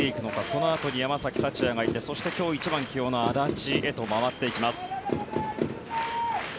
このあとに山崎福也がいてそして今日１番起用の安達へと回っていきます。